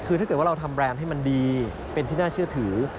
คือถ้าเกิดว่าเราทำแรนด์ให้มันดีเป็นที่น่าเชื่อถือ